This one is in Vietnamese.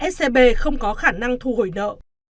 scb không có khả năng thu hồi nợ